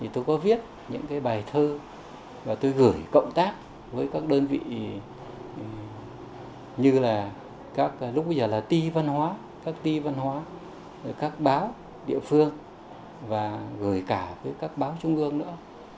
tôi có viết những bài thơ và tôi gửi cộng tác với các đơn vị như là các lúc bây giờ là ti văn hóa các ti văn hóa các báo địa phương và gửi cả các báo trung ương nữa